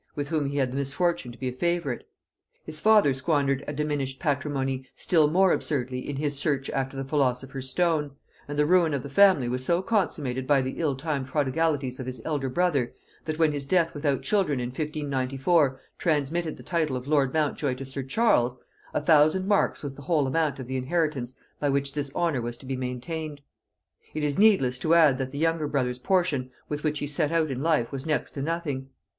with whom he had the misfortune to be a favorite. His father squandered a diminished patrimony still more absurdly in his search after the philosopher's stone; and the ruin of the family was so consummated by the ill timed prodigalities of his elder brother, that when his death without children in 1594 transmitted the title of lord Montjoy to sir Charles, a thousand marks was the whole amount of the inheritance by which this honor was to be maintained. It is needless to add that the younger brother's portion with which he set out in life was next to nothing.